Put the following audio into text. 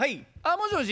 もしもし？